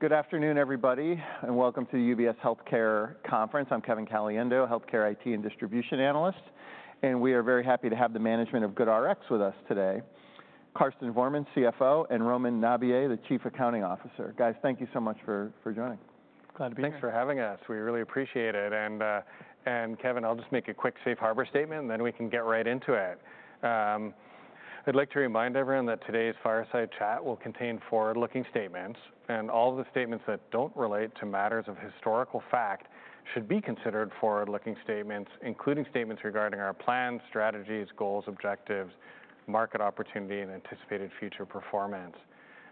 Good afternoon, everybody, and welcome to the UBS Healthcare Conference. I'm Kevin Caliendo, Healthcare IT and Distribution Analyst, and we are very happy to have the management of GoodRx with us today: Karsten Voermann, CFO, and Romin Nabiey, the Chief Accounting Officer. Guys, thank you so much for joining. Glad to be here. Thanks for having us. We really appreciate it, and, Kevin, I'll just make a quick safe harbor statement, and then we can get right into it. I'd like to remind everyone that today's fireside chat will contain forward-looking statements, and all of the statements that don't relate to matters of historical fact should be considered forward-looking statements, including statements regarding our plans, strategies, goals, objectives, market opportunity, and anticipated future performance.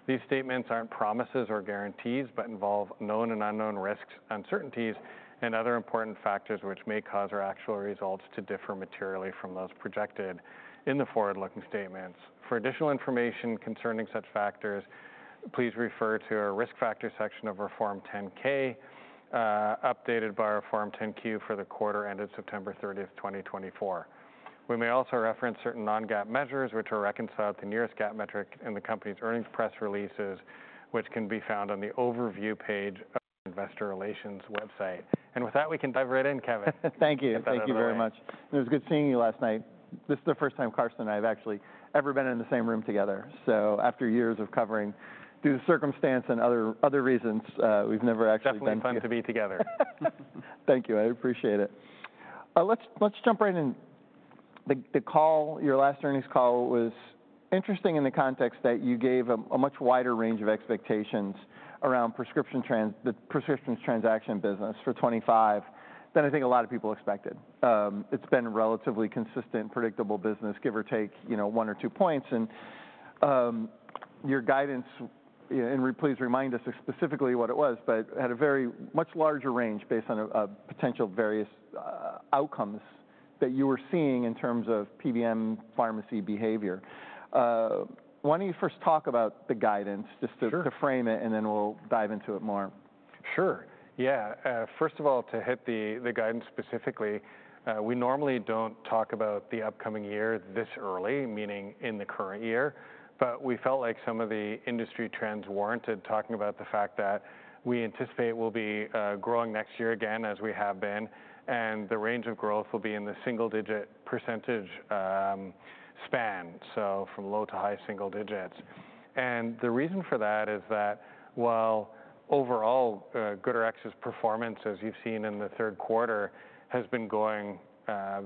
These statements aren't promises or guarantees but involve known and unknown risks, uncertainties, and other important factors which may cause our actual results to differ materially from those projected in the forward-looking statements. For additional information concerning such factors, please refer to our risk factor section of Form 10-K, updated by Form 10-Q for the quarter ended September 30, 2024. We may also reference certain non-GAAP measures which are reconciled to the nearest GAAP metric in the company's earnings press releases, which can be found on the overview page of Investor Relations' website. And with that, we can dive right in, Kevin. Thank you. Thank you very much. It was good seeing you last night. This is the first time Karsten and I have actually ever been in the same room together. So after years of covering, due to circumstance and other reasons, we've never actually been together. It's been fun to be together. Thank you. I appreciate it. Let's jump right in. The call, your last earnings call, was interesting in the context that you gave a much wider range of expectations around the prescriptions transaction business for 2025 than I think a lot of people expected. It's been a relatively consistent, predictable business, give or take one or two points. And your guidance, and please remind us specifically what it was, but had a very much larger range based on potential various outcomes that you were seeing in terms of PBM pharmacy behavior. Why don't you first talk about the guidance, just to frame it, and then we'll dive into it more? Sure. Yeah. First of all, to hit the guidance specifically, we normally don't talk about the upcoming year this early, meaning in the current year, but we felt like some of the industry trends warranted talking about the fact that we anticipate we'll be growing next year again, as we have been, and the range of growth will be in the single-digit percentage span, so from low to high single digits. And the reason for that is that while overall GoodRx's performance, as you've seen in the third quarter, has been going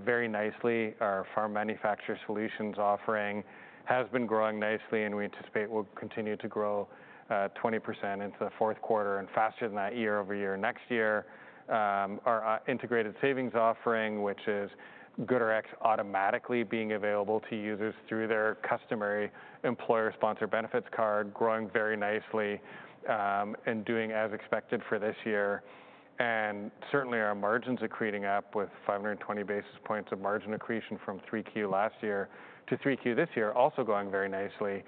very nicely, our Pharma Manufacturer Solutions offering has been growing nicely, and we anticipate we'll continue to grow 20% into the fourth quarter and faster than that year over year next year. Our integrated savings offering, which is GoodRx automatically being available to users through their customary employer-sponsored benefits card, is growing very nicely and doing as expected for this year. Certainly, our margins are creeping up with 520 basis points of margin accretion from 3Q last year to 3Q this year, also going very nicely.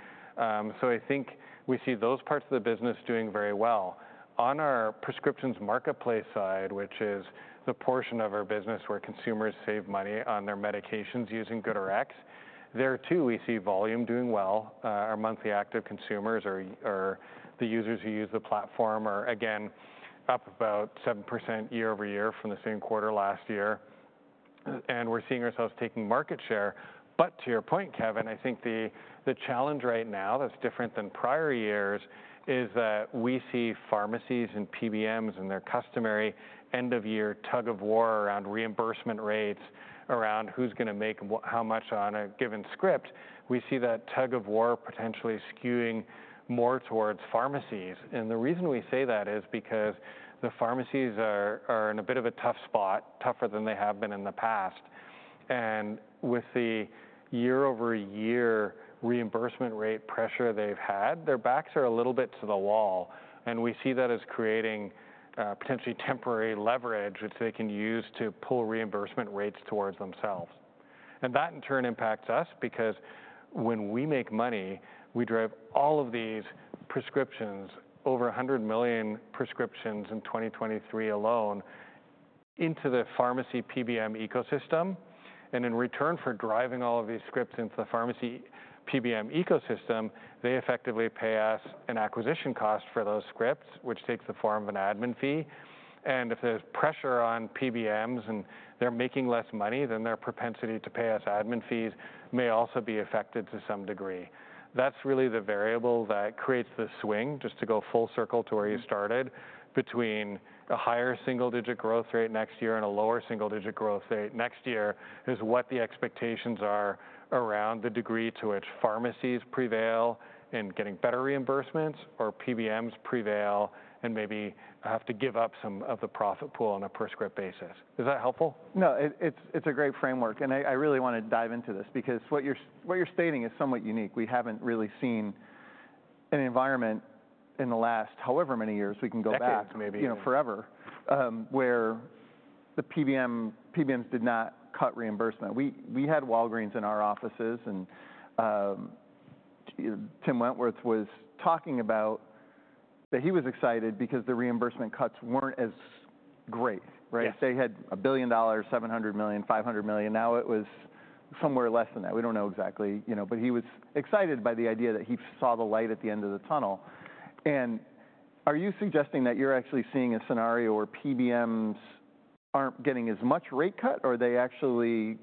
So I think we see those parts of the business doing very well. On our prescriptions marketplace side, which is the portion of our business where consumers save money on their medications using GoodRx, there too we see volume doing well. Our monthly active consumers or the users who use the platform are, again, up about 7% year over year from the same quarter last year. And we're seeing ourselves taking market share. But to your point, Kevin, I think the challenge right now that's different than prior years is that we see pharmacies and PBMs and their customary end-of-year tug-of-war around reimbursement rates, around who's going to make how much on a given script. We see that tug-of-war potentially skewing more towards pharmacies. And the reason we say that is because the pharmacies are in a bit of a tough spot, tougher than they have been in the past. And with the year-over-year reimbursement rate pressure they've had, their backs are a little bit to the wall. And we see that as creating potentially temporary leverage, which they can use to pull reimbursement rates towards themselves. And that, in turn, impacts us because when we make money, we drive all of these prescriptions, over 100 million prescriptions in 2023 alone, into the pharmacy PBM ecosystem. And in return for driving all of these scripts into the pharmacy PBM ecosystem, they effectively pay us an acquisition cost for those scripts, which takes the form of an admin fee. And if there's pressure on PBMs and they're making less money, then their propensity to pay us admin fees may also be affected to some degree. That's really the variable that creates the swing, just to go full circle to where you started, between a higher single-digit growth rate next year and a lower single-digit growth rate next year is what the expectations are around the degree to which pharmacies prevail in getting better reimbursements or PBMs prevail and maybe have to give up some of the profit pool on a per-script basis. Is that helpful? No, it's a great framework, and I really want to dive into this because what you're stating is somewhat unique. We haven't really seen an environment in the last however many years we can go back. Decades, maybe. Forever, where the PBMs did not cut reimbursement. We had Walgreens in our offices, and Tim Wentworth was talking about that he was excited because the reimbursement cuts weren't as great. They had $1 billion, $700 million, $500 million. Now it was somewhere less than that. We don't know exactly, but he was excited by the idea that he saw the light at the end of the tunnel. Are you suggesting that you're actually seeing a scenario where PBMs aren't getting as much rate cut or they actually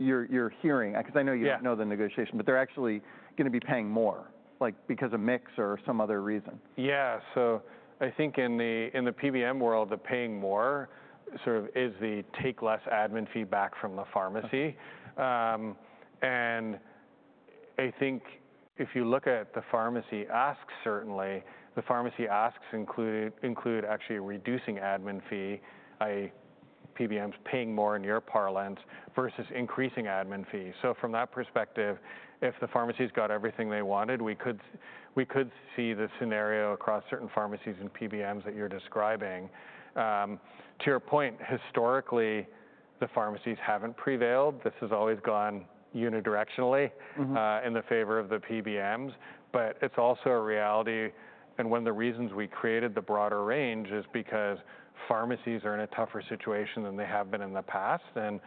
you're hearing because I know you don't know the negotiation, but they're actually going to be paying more because of mix or some other reason? Yeah. So I think in the PBM world, the paying more sort of is the take less admin fee back from the pharmacy. And I think if you look at the pharmacy asks, certainly, the pharmacy asks include actually reducing admin fee, i.e., PBMs paying more in your parlance, versus increasing admin fee. So from that perspective, if the pharmacies got everything they wanted, we could see the scenario across certain pharmacies and PBMs that you're describing. To your point, historically, the pharmacies haven't prevailed. This has always gone unidirectionally in the favor of the PBMs. But it's also a reality, and one of the reasons we created the broader range is because pharmacies are in a tougher situation than they have been in the past. And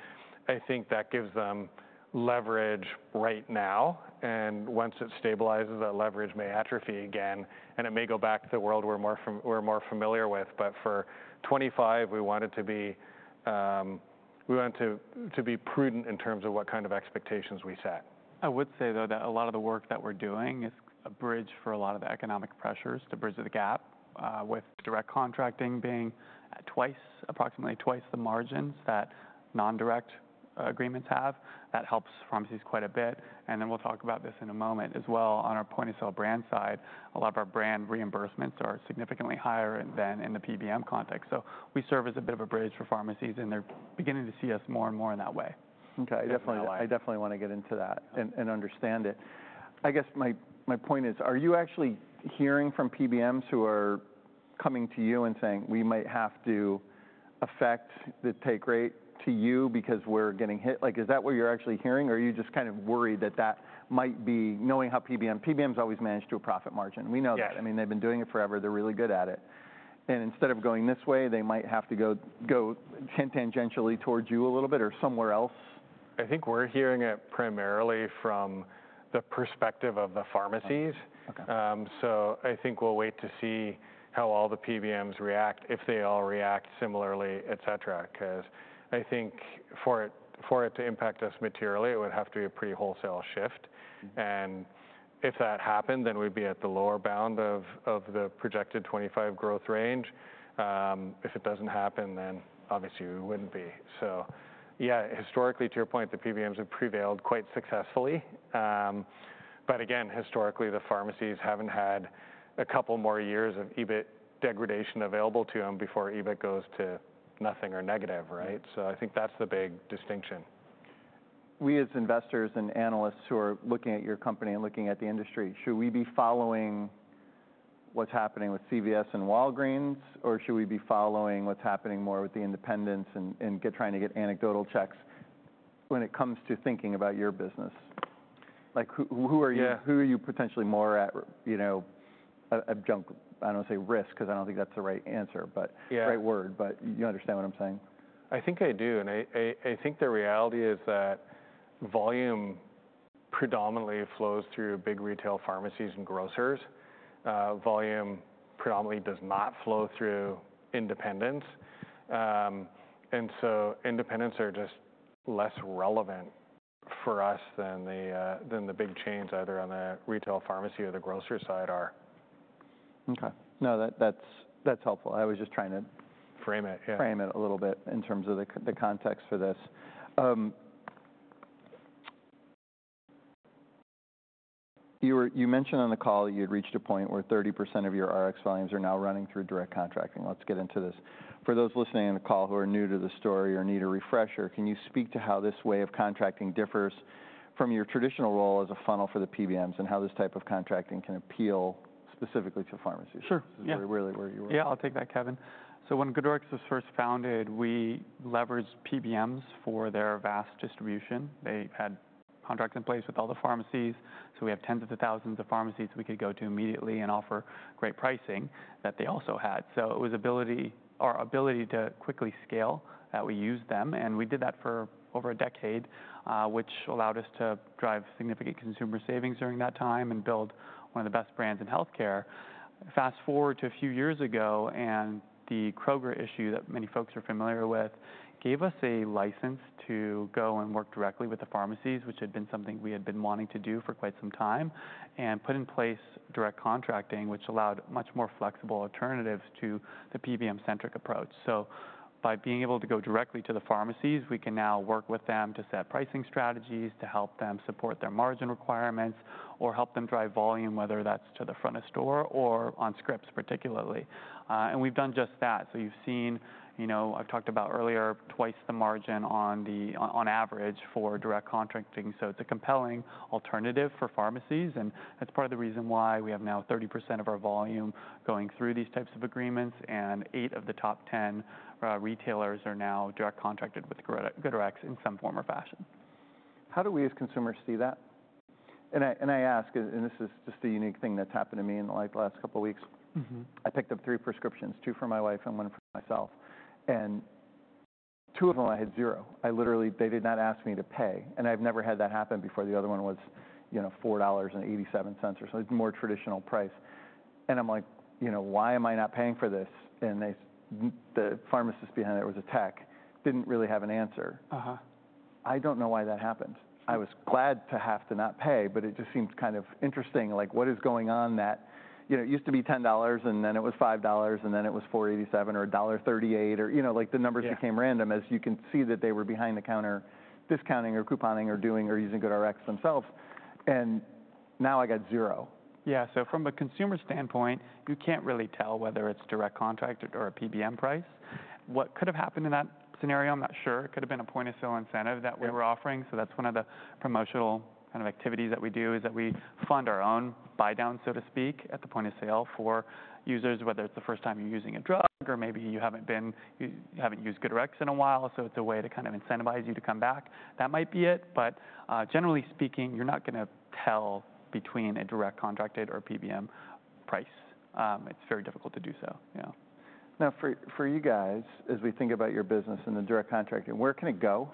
I think that gives them leverage right now. Once it stabilizes, that leverage may atrophy again, and it may go back to the world we're more familiar with. For 2025, we wanted to be prudent in terms of what kind of expectations we set. I would say, though, that a lot of the work that we're doing is a bridge for a lot of the economic pressures to bridge the gap, with direct contracting being approximately twice the margins that non-direct agreements have. That helps pharmacies quite a bit. And then we'll talk about this in a moment as well. On our point-of-sale brand side, a lot of our brand reimbursements are significantly higher than in the PBM context. So we serve as a bit of a bridge for pharmacies, and they're beginning to see us more and more in that way. I definitely want to get into that and understand it. I guess my point is, are you actually hearing from PBMs who are coming to you and saying, "We might have to affect the take rate to you because we're getting hit"? Is that what you're actually hearing, or are you just kind of worried that that might be knowing how PBMs always manage to a profit margin? We know that. I mean, they've been doing it forever. They're really good at it. And instead of going this way, they might have to go tangentially towards you a little bit or somewhere else? I think. We're hearing it primarily from the perspective of the pharmacies. So I think we'll wait to see how all the PBMs react, if they all react similarly, et cetera, because I think for it to impact us materially, it would have to be a pretty wholesale shift. And if that happened, then we'd be at the lower bound of the projected 2025 growth range. If it doesn't happen, then obviously we wouldn't be. So yeah, historically, to your point, the PBMs have prevailed quite successfully. But again, historically, the pharmacies haven't had a couple more years of EBIT degradation available to them before EBIT goes to nothing or negative. So I think that's the big distinction. We, as investors and analysts who are looking at your company and looking at the industry, should we be following what's happening with CVS and Walgreens, or should we be following what's happening more with the independents and trying to get anecdotal checks when it comes to thinking about your business? Who are you potentially more akin to? I don't want to say risk, because I don't think that's the right answer, but the right word, but you understand what I'm saying? I think I do. And I think the reality is that volume predominantly flows through big retail pharmacies and grocers. Volume predominantly does not flow through independents. And so independents are just less relevant for us than the big chains, either on the retail pharmacy or the grocery side are. Okay. No, that's helpful. I was just trying to frame it a little bit in terms of the context for this. You mentioned on the call that you had reached a point where 30% of your Rx volumes are now running through direct contracting. Let's get into this. For those listening on the call who are new to the story or need a refresher, can you speak to how this way of contracting differs from your traditional role as a funnel for the PBMs and how this type of contracting can appeal specifically to pharmacies? This is really where you were. Yeah, I'll take that, Kevin. So when GoodRx was first founded, we leveraged PBMs for their vast distribution. They had contracts in place with all the pharmacies. So we have tens of thousands of pharmacies we could go to immediately and offer great pricing that they also had. So it was our ability to quickly scale that we used them. And we did that for over a decade, which allowed us to drive significant consumer savings during that time and build one of the best brands in healthcare. Fast forward to a few years ago, and the Kroger issue that many folks are familiar with gave us a license to go and work directly with the pharmacies, which had been something we had been wanting to do for quite some time, and put in place direct contracting, which allowed much more flexible alternatives to the PBM-centric approach. By being able to go directly to the pharmacies, we can now work with them to set pricing strategies to help them support their margin requirements or help them drive volume, whether that's to the front of store or on scripts particularly. And we've done just that. So you've seen I've talked about earlier twice the margin on average for direct contracting. So it's a compelling alternative for pharmacies. And that's part of the reason why we have now 30% of our volume going through these types of agreements, and eight of the top 10 retailers are now direct contracted with GoodRx in some form or fashion. How do we as consumers see that? I ask, and this is just a unique thing that's happened to me in the last couple of weeks. I picked up three prescriptions, two for my wife and one for myself. Two of them, I had zero. They did not ask me to pay. I've never had that happen before. The other one was $4.87 or something, more traditional price. I'm like, "Why am I not paying for this?" The pharmacist behind it was a tech, didn't really have an answer. I don't know why that happened. I was glad to have to not pay, but it just seemed kind of interesting. What is going on that it used to be $10, and then it was $5, and then it was $4.87 or $1.38, or the numbers became random as you can see that they were behind the counter discounting or couponing or doing or using GoodRx themselves, and now I got zero. Yeah. So from a consumer standpoint, you can't really tell whether it's direct contract or a PBM price. What could have happened in that scenario? I'm not sure. It could have been a point of sale incentive that we were offering. So that's one of the promotional kind of activities that we do is that we fund our own buy down, so to speak, at the point of sale for users, whether it's the first time you're using a drug or maybe you haven't used GoodRx in a while. So it's a way to kind of incentivize you to come back. That might be it. But generally speaking, you're not going to tell between a direct contracted or PBM price. It's very difficult to do so. Now, for you guys, as we think about your business and the direct contracting, where can it go?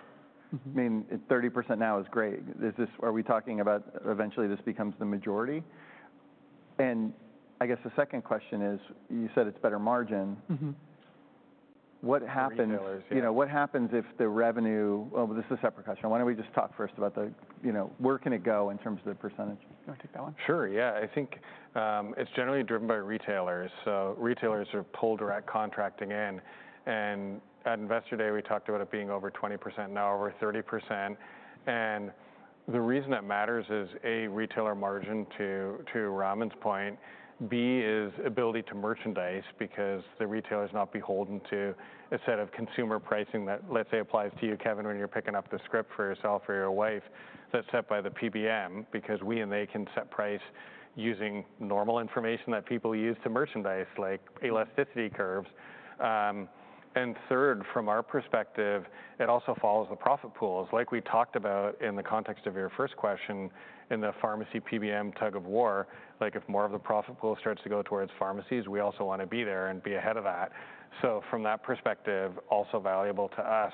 I mean, 30% now is great. Are we talking about eventually this becomes the majority? And I guess the second question is, you said it's better margin. What happens if the revenue, oh, this is a separate question. Why don't we just talk first about where can it go in terms of the percentage? You want to take that one? Sure. Yeah. I think it's generally driven by retailers. So retailers have pulled direct contracting in. And at Investor Day, we talked about it being over 20%, now over 30%. And the reason it matters is, A, retailer margin to Romin's point, B, is ability to merchandise because the retailer is not beholden to a set of consumer pricing that, let's say, applies to you, Kevin, when you're picking up the script for yourself or your wife. That's set by the PBM because we and they can set price using normal information that people use to merchandise, like elasticity curves. And third, from our perspective, it also follows the profit pools. Like we talked about in the context of your first question in the pharmacy PBM tug of war, if more of the profit pool starts to go towards pharmacies, we also want to be there and be ahead of that. So from that perspective, also valuable to us.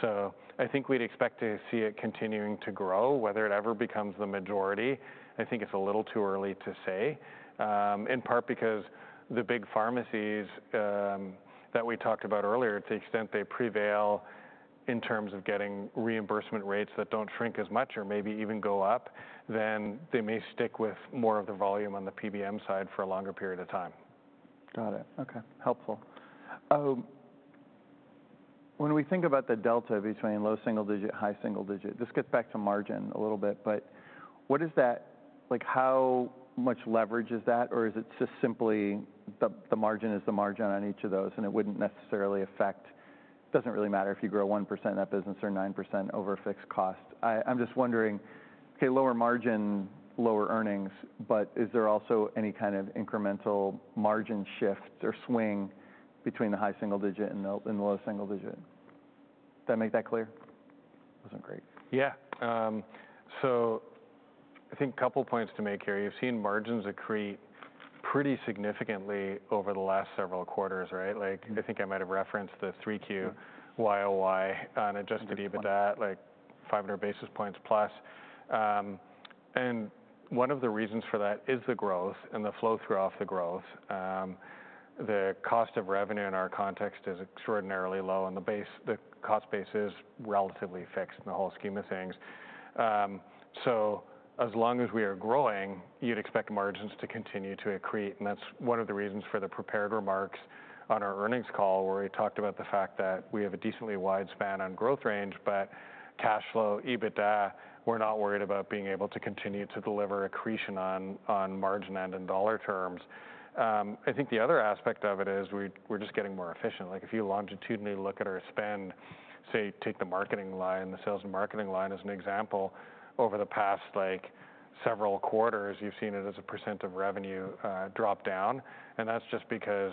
So I think we'd expect to see it continuing to grow, whether it ever becomes the majority. I think it's a little too early to say, in part because the big pharmacies that we talked about earlier, to the extent they prevail in terms of getting reimbursement rates that don't shrink as much or maybe even go up, then they may stick with more of the volume on the PBM side for a longer period of time. Got it. Okay. Helpful. When we think about the delta between low single digit, high single digit, this gets back to margin a little bit, but what is that? How much leverage is that, or is it just simply the margin is the margin on each of those, and it wouldn't necessarily affect, it doesn't really matter if you grow 1% in that business or 9% over fixed cost. I'm just wondering, okay, lower margin, lower earnings, but is there also any kind of incremental margin shift or swing between the high single digit and the low single digit? Did I make that clear? That wasn't great. Yeah. So I think a couple of points to make here. You've seen margins accrete pretty significantly over the last several quarters. I think I might have referenced the 3Q YOY on Adjusted EBITDA, like 500 basis points plus. And one of the reasons for that is the growth and the flow through off the growth. The cost of revenue in our context is extraordinarily low, and the cost base is relatively fixed in the whole scheme of things. So as long as we are growing, you'd expect margins to continue to accrete. And that's one of the reasons for the prepared remarks on our earnings call, where we talked about the fact that we have a decently wide span on growth range, but cash flow, EBITDA, we're not worried about being able to continue to deliver accretion on margin end in dollar terms. I think the other aspect of it is we're just getting more efficient. If you longitudinally look at our spend, say, take the marketing line, the sales and marketing line as an example, over the past several quarters, you've seen it as a % of revenue drop down, and that's just because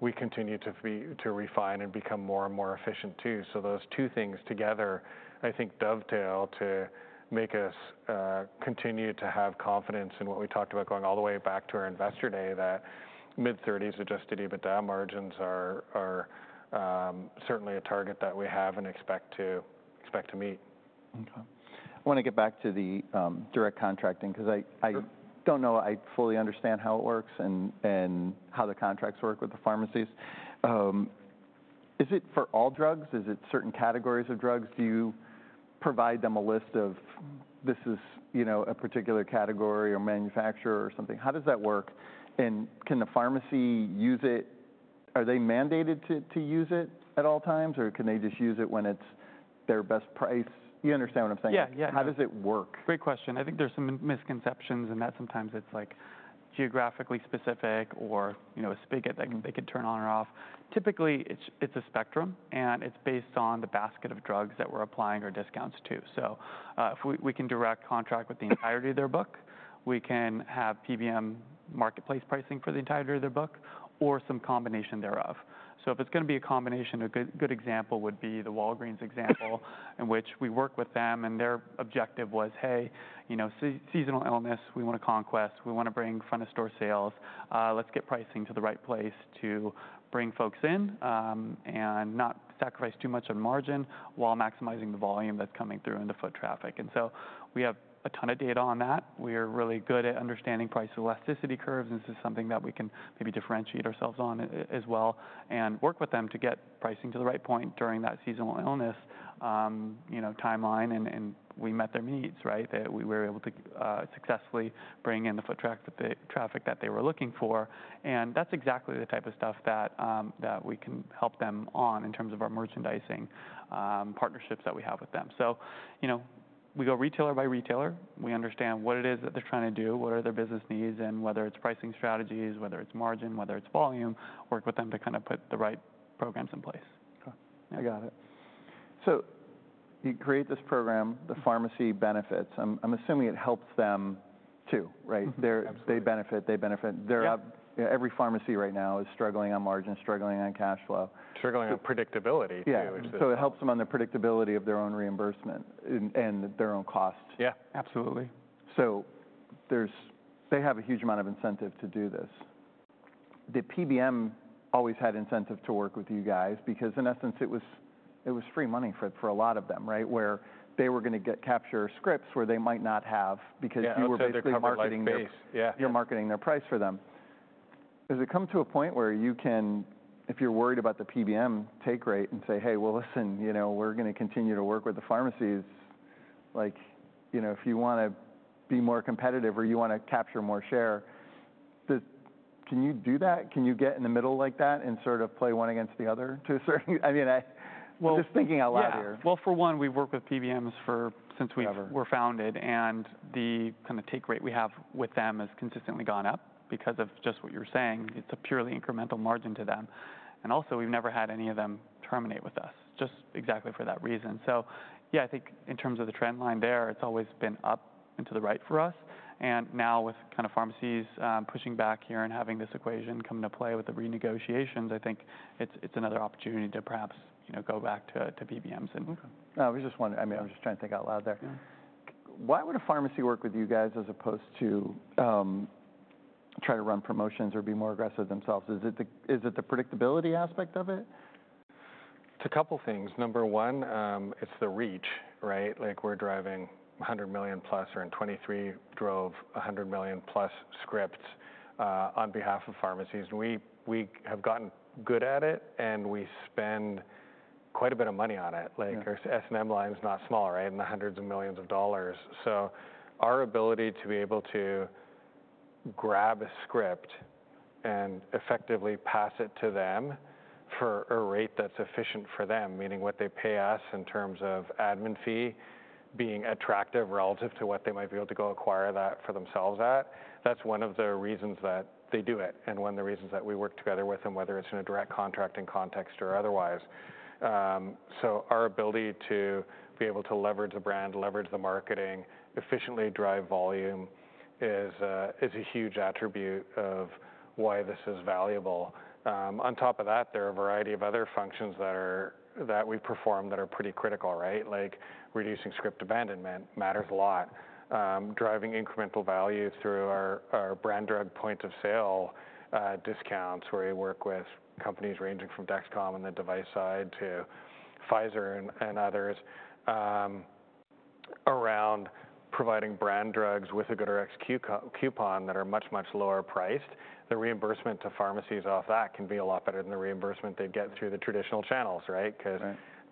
we continue to refine and become more and more efficient too, so those two things together, I think, dovetail to make us continue to have confidence in what we talked about going all the way back to our Investor Day, that mid-30s Adjusted EBITDA margins are certainly a target that we have and expect to meet. Okay. I want to get back to the direct contracting because I don't know, I fully understand how it works and how the contracts work with the pharmacies. Is it for all drugs? Is it certain categories of drugs? Do you provide them a list of this is a particular category or manufacturer or something? How does that work? And can the pharmacy use it? Are they mandated to use it at all times, or can they just use it when it's their best price? You understand what I'm saying? Yeah. How does it work? Great question. I think there's some misconceptions in that sometimes it's geographically specific or a spigot that they could turn on or off. Typically, it's a spectrum, and it's based on the basket of drugs that we're applying our discounts to. So if we can direct contract with the entirety of their book, we can have PBM marketplace pricing for the entirety of their book or some combination thereof. So if it's going to be a combination, a good example would be the Walgreens example in which we work with them, and their objective was, "Hey, seasonal illness, we want to conquest. We want to bring front of store sales. Let's get pricing to the right place to bring folks in and not sacrifice too much on margin while maximizing the volume that's coming through into foot traffic," and so we have a ton of data on that. We are really good at understanding price elasticity curves, and this is something that we can maybe differentiate ourselves on as well and work with them to get pricing to the right point during that seasonal illness timeline. And we met their needs, right? We were able to successfully bring in the foot traffic that they were looking for. And that's exactly the type of stuff that we can help them on in terms of our merchandising partnerships that we have with them. So we go retailer by retailer. We understand what it is that they're trying to do, what are their business needs, and whether it's pricing strategies, whether it's margin, whether it's volume, work with them to kind of put the right programs in place. Okay. I got it. So you create this program, the pharmacy benefits. I'm assuming it helps them too, right? They benefit. They benefit. Every pharmacy right now is struggling on margin, struggling on cash flow. Struggling on predictability too. Yeah, so it helps them on the predictability of their own reimbursement and their own costs. Yeah. Absolutely. They have a huge amount of incentive to do this. Did PBM always have incentive to work with you guys? Because in essence, it was free money for a lot of them, right? Where they were going to capture scripts where they might not have because you were basically marketing their price for them. Has it come to a point where you can, if you're worried about the PBM take rate and say, "Hey, well, listen, we're going to continue to work with the pharmacies," if you want to be more competitive or you want to capture more share, can you do that? Can you get in the middle like that and sort of play one against the other to a certain? I mean, I'm just thinking out loud here. Well, for one, we've worked with PBMs since we were founded, and the kind of take rate we have with them has consistently gone up because of just what you're saying. It's a purely incremental margin to them. And also, we've never had any of them terminate with us just exactly for that reason. So yeah, I think in terms of the trend line there, it's always been up and to the right for us. And now with kind of pharmacies pushing back here and having this equation come into play with the renegotiations, I think it's another opportunity to perhaps go back to PBMs. Okay. I mean, I'm just trying to think out loud there. Why would a pharmacy work with you guys as opposed to try to run promotions or be more aggressive themselves? Is it the predictability aspect of it? It's a couple of things. Number one, it's the reach, right? We're driving 100 million plus, or in 2023 drove 100 million plus scripts on behalf of pharmacies, and we have gotten good at it, and we spend quite a bit of money on it. Our S&M line is not small, right? In the hundreds of millions of dollars, so our ability to be able to grab a script and effectively pass it to them for a rate that's efficient for them, meaning what they pay us in terms of admin fee being attractive relative to what they might be able to go acquire that for themselves at, that's one of the reasons that they do it and one of the reasons that we work together with them, whether it's in a direct contracting context or otherwise. So our ability to be able to leverage the brand, leverage the marketing, efficiently drive volume is a huge attribute of why this is valuable. On top of that, there are a variety of other functions that we perform that are pretty critical, right? Reducing script abandonment matters a lot. Driving incremental value through our brand drug point of sale discounts where we work with companies ranging from Dexcom on the device side to Pfizer and others around providing brand drugs with a GoodRx coupon that are much, much lower priced. The reimbursement to pharmacies off that can be a lot better than the reimbursement they'd get through the traditional channels, right? Because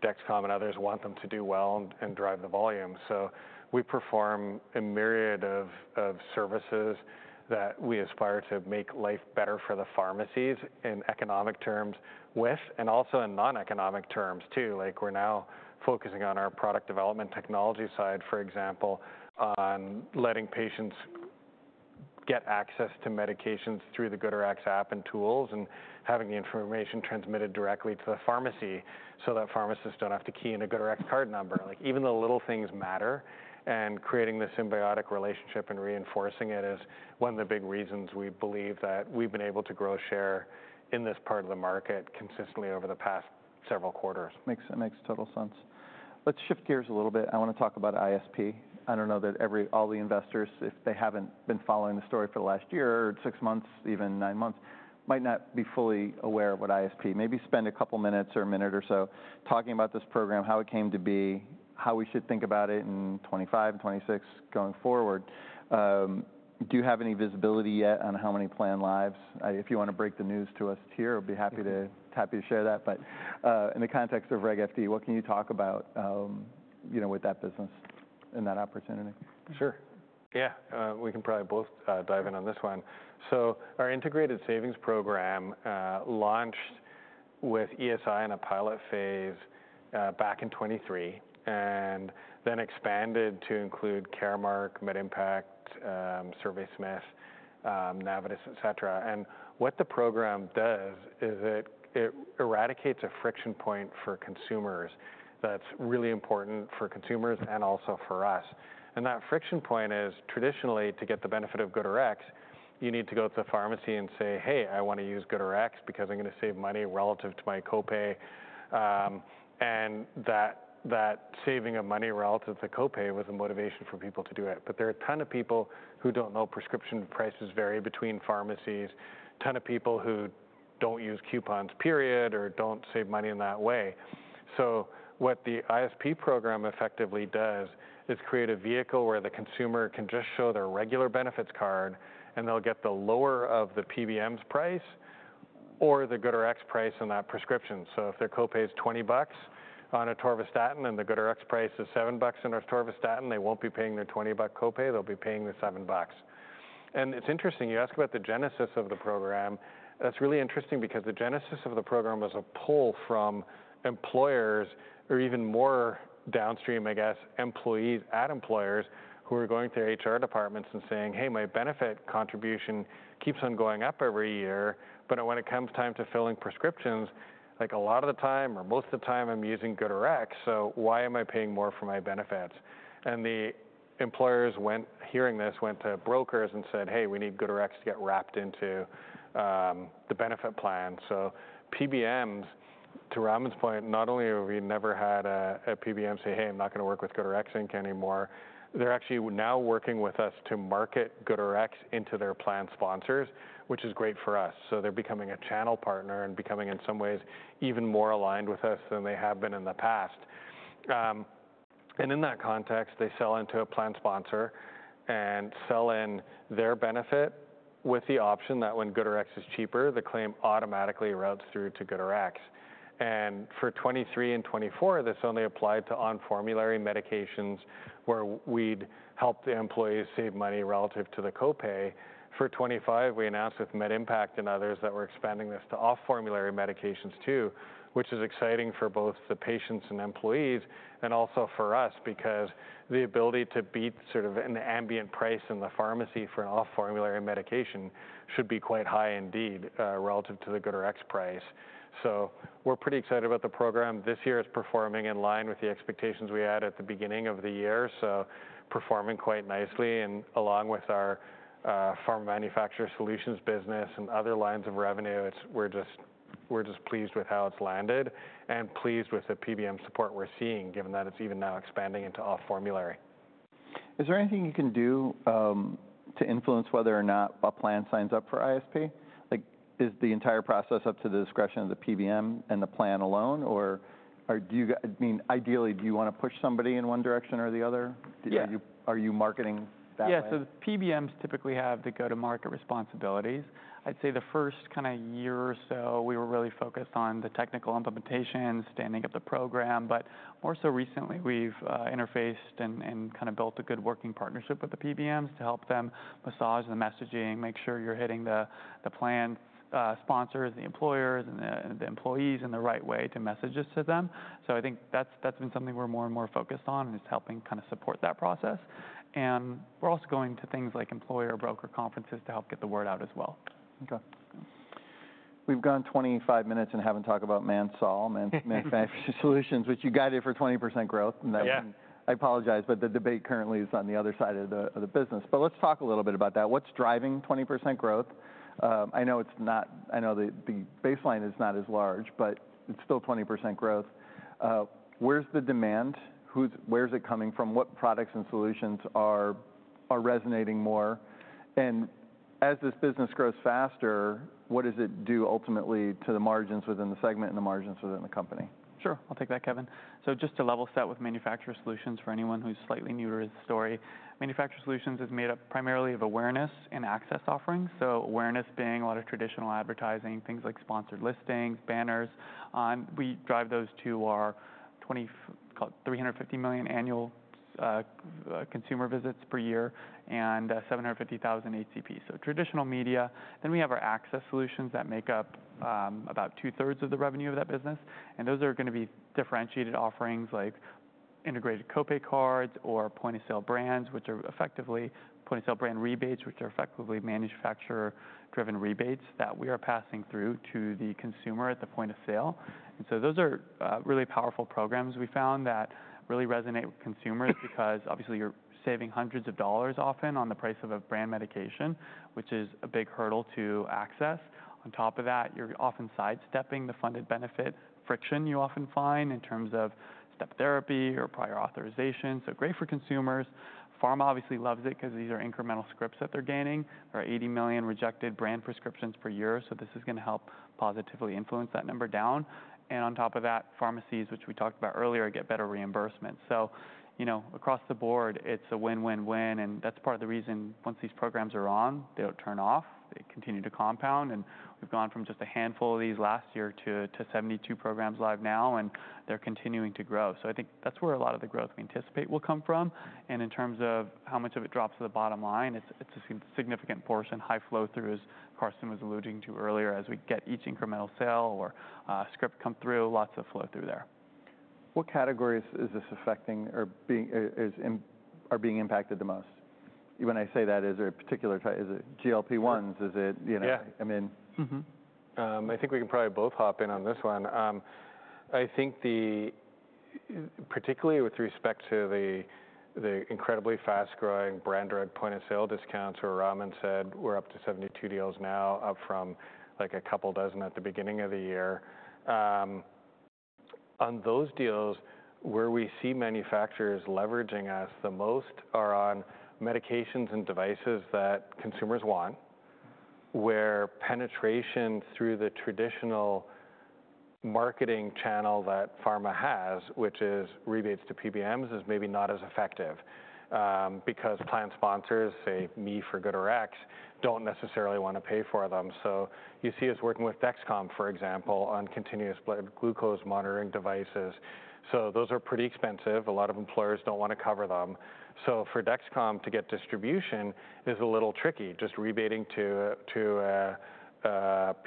Dexcom and others want them to do well and drive the volume. So we perform a myriad of services that we aspire to make life better for the pharmacies in economic terms, with and also in non-economic terms too. We're now focusing on our product development technology side, for example, on letting patients get access to medications through the GoodRx App and tools and having the information transmitted directly to the pharmacy so that pharmacists don't have to key in a GoodRx card number. Even the little things matter, and creating this symbiotic relationship and reinforcing it is one of the big reasons we believe that we've been able to grow share in this part of the market consistently over the past several quarters. Makes total sense. Let's shift gears a little bit. I want to talk about ISP. I don't know that all the investors, if they haven't been following the story for the last year or six months, even nine months, might not be fully aware of what ISP is. Maybe spend a couple of minutes or a minute or so talking about this program, how it came to be, how we should think about it in 2025, 2026 going forward. Do you have any visibility yet on how many planned lives? If you want to break the news to us here, I'd be happy to share that. But in the context of Reg FD, what can you talk about with that business and that opportunity? Sure. Yeah. We can probably both dive in on this one. So our Integrated savings program launched with ESI in a pilot phase back in 2023 and then expanded to include Caremark, MedImpact, SmithRx, Navitus, et cetera. And what the program does is it eradicates a friction point for consumers that's really important for consumers and also for us. And that friction point is traditionally, to get the benefit of GoodRx, you need to go to the pharmacy and say, "Hey, I want to use GoodRx because I'm going to save money relative to my copay." And that saving of money relative to copay was a motivation for people to do it. But there are a ton of people who don't know prescription prices vary between pharmacies, a ton of people who don't use coupons, period, or don't save money in that way. So what the ISP program effectively does is create a vehicle where the consumer can just show their regular benefits card, and they'll get the lower of the PBM's price or the GoodRx price on that prescription. So if their copay is $20 on atorvastatin and the GoodRx price is $7 on atorvastatin, they won't be paying their $20 copay. They'll be paying the $7. And it's interesting. You ask about the genesis of the program. That's really interesting because the genesis of the program was a pull from employers or even more downstream, I guess, employees at employers who are going to HR departments and saying, "Hey, my benefit contribution keeps on going up every year, but when it comes time to filling prescriptions, a lot of the time or most of the time I'm using GoodRx. So why am I paying more for my benefits?" And the employers, hearing this, went to brokers and said, "Hey, we need GoodRx to get wrapped into the benefit plan." So PBMs, to Romin's point, not only have we never had a PBM say, "Hey, I'm not going to work with GoodRx Inc. anymore," they're actually now working with us to market GoodRx into their plan sponsors, which is great for us. So they're becoming a channel partner and becoming in some ways even more aligned with us than they have been in the past. And in that context, they sell into a plan sponsor and sell in their benefit with the option that when GoodRx is cheaper, the claim automatically routes through to GoodRx. And for 2023 and 2024, this only applied to on-formulary medications where we'd helped the employees save money relative to the copay. For 2025, we announced with MedImpact and others that we're expanding this to off-formulary medications too, which is exciting for both the patients and employees and also for us because the ability to beat sort of an ambient price in the pharmacy for an off-formulary medication should be quite high indeed relative to the GoodRx price. So we're pretty excited about the program. This year it's performing in line with the expectations we had at the beginning of the year. So performing quite nicely and along with our pharma manufacturer solutions business and other lines of revenue, we're just pleased with how it's landed and pleased with the PBM support we're seeing given that it's even now expanding into off-formulary. Is there anything you can do to influence whether or not a plan signs up for ISP? Is the entire process up to the discretion of the PBM and the plan alone? Or I mean, ideally, do you want to push somebody in one direction or the other? Are you marketing that way? Yeah. So PBMs typically have go-to-market responsibilities. I'd say the first kind of year or so, we were really focused on the technical implementation, standing up the program. But more so recently, we've interfaced and kind of built a good working partnership with the PBMs to help them massage the messaging, make sure you're hitting the plan sponsors, the employers, and the employees in the right way to message this to them. So I think that's been something we're more and more focused on, and it's helping kind of support that process. And we're also going to things like employer broker conferences to help get the word out as well. Okay. We've gone 25 minutes and haven't talked about Mansol, Manufacturer Solutions, which you guided for 20% growth. I apologize, but the debate currently is on the other side of the business. But let's talk a little bit about that. What's driving 20% growth? I know the baseline is not as large, but it's still 20% growth. Where's the demand? Where's it coming from? What products and solutions are resonating more? And as this business grows faster, what does it do ultimately to the margins within the segment and the margins within the company? Sure. I'll take that, Kevin. So just to level set with Manufacturer Solutions for anyone who's slightly newer to the story, Manufacturer Solutions is made up primarily of awareness and access offerings. So awareness being a lot of traditional advertising, things like sponsored listings, banners. We drive those to our 350 million annual consumer visits per year and 750,000 HCP. So traditional media. Then we have our access solutions that make up about two-thirds of the revenue of that business. And those are going to be differentiated offerings like integrated copay cards or point of sale brands, which are effectively point of sale brand rebates, which are effectively manufacturer-driven rebates that we are passing through to the consumer at the point of sale. Those are really powerful programs we found that really resonate with consumers because obviously you're saving hundreds of dollars often on the price of a brand medication, which is a big hurdle to access. On top of that, you're often sidestepping the formulary benefit friction you often find in terms of step therapy or prior authorization. So great for consumers. Pharma obviously loves it because these are incremental scripts that they're gaining. There are 80 million rejected brand prescriptions per year. So this is going to help positively influence that number down. And on top of that, pharmacies, which we talked about earlier, get better reimbursements. So across the board, it's a win-win-win. And that's part of the reason once these programs are on, they won't turn off. They continue to compound. And we've gone from just a handful of these last year to 72 programs live now, and they're continuing to grow. So I think that's where a lot of the growth we anticipate will come from. And in terms of how much of it drops to the bottom line, it's a significant portion. High flow-through, as Karsten was alluding to earlier, as we get each incremental sale or script come through, lots of flow-through there. What categories are being impacted the most? When I say that, is there a particular type? Is it GLP-1s? Is it, I mean? I think we can probably both hop in on this one. I think particularly with respect to the incredibly fast-growing brand drug point of sale discounts, where Robin said we're up to 72 deals now, up from a couple dozen at the beginning of the year. On those deals, where we see manufacturers leveraging us the most are on medications and devices that consumers want, where penetration through the traditional marketing channel that pharma has, which is rebates to PBMs, is maybe not as effective because plan sponsors, say, me for GoodRx, don't necessarily want to pay for them. So you see us working with Dexcom, for example, on continuous blood glucose monitoring devices. So those are pretty expensive. A lot of employers don't want to cover them. So for Dexcom to get distribution is a little tricky. Just rebating to a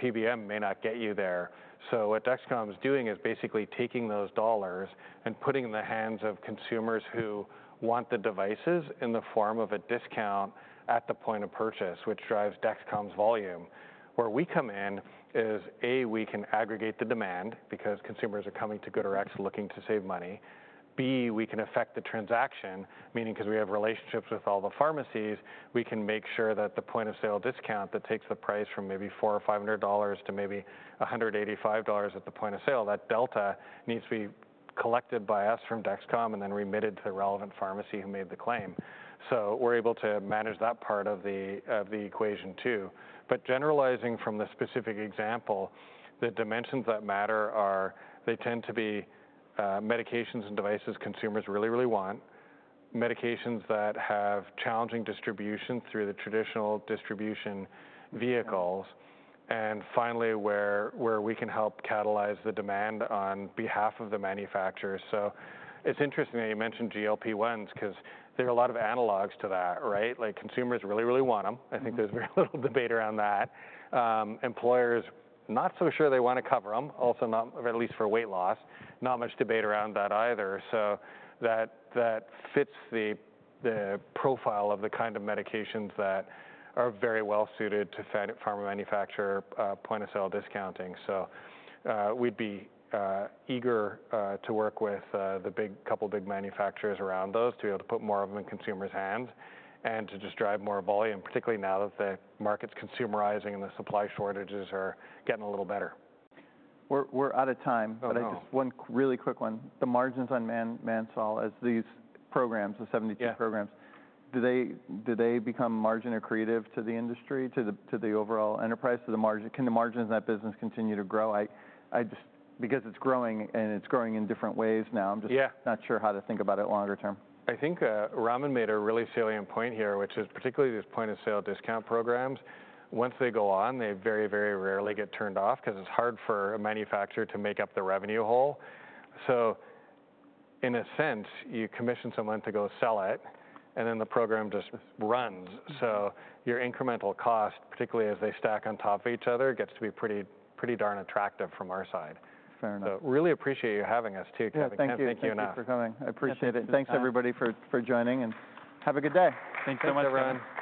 PBM may not get you there. So what Dexcom is doing is basically taking those dollars and putting in the hands of consumers who want the devices in the form of a discount at the point of purchase, which drives Dexcom's volume. Where we come in is, A, we can aggregate the demand because consumers are coming to GoodRx looking to save money. B, we can affect the transaction, meaning because we have relationships with all the pharmacies, we can make sure that the point of sale discount that takes the price from maybe $400 or $500 to maybe $185 at the point of sale, that delta needs to be collected by us from Dexcom and then remitted to the relevant pharmacy who made the claim. So we're able to manage that part of the equation too. But generalizing from the specific example, the dimensions that matter are they tend to be medications and devices consumers really, really want, medications that have challenging distribution through the traditional distribution vehicles, and finally, where we can help catalyze the demand on behalf of the manufacturers. So it's interesting that you mentioned GLP-1s because there are a lot of analogs to that, right? Consumers really, really want them. I think there's very little debate around that. Employers, not so sure they want to cover them, also not at least for weight loss. Not much debate around that either. So that fits the profile of the kind of medications that are very well suited to pharma manufacturer point of sale discounting. So we'd be eager to work with the couple of big manufacturers around those to be able to put more of them in consumers' hands and to just drive more volume, particularly now that the market's consumerizing and the supply shortages are getting a little better. We're out of time, but I just want one really quick one. The margins on Mansol, as these programs, the 72 programs, do they become margin-accretive to the industry, to the overall enterprise? Can the margins in that business continue to grow? Because it's growing and it's growing in different ways now, I'm just not sure how to think about it longer term. I think Robin made a really salient point here, which is particularly these point of sale discount programs. Once they go on, they very, very rarely get turned off because it's hard for a manufacturer to make up the revenue hole. So in a sense, you commission someone to go sell it, and then the program just runs. So your incremental cost, particularly as they stack on top of each other, gets to be pretty darn attractive from our side. Fair enough. So really appreciate you having us too, Kevin. Thank you. Thank you enough. Thank you for coming. I appreciate it. Thanks, everybody, for joining, and have a good day. Thanks so much, everyone.